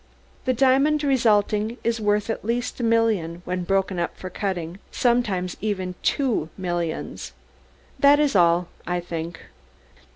The diamond resulting is worth at least a million when broken up for cutting, sometimes even two millions. That is all, I think."